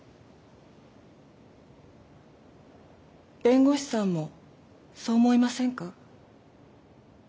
弁護士さんもそう思いませんか？